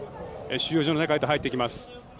収容所の中へと入っていきます。